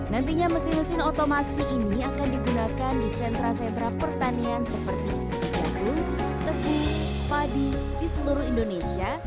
nantinya mesin mesin otomasi ini akan digunakan di sentra sentra pertanian seperti jagung tebu padi di seluruh indonesia